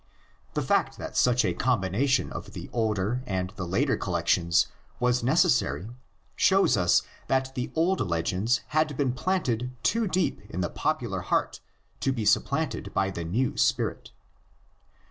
The fact that such a combination of the older and the later collections was necessary shows us that the old legends had been planted too deep in the popular heart to be supplanted by the new spirit.